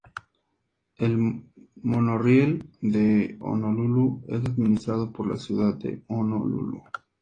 El Monorriel de Honolulu es administrado por la Ciudad de Honolulu.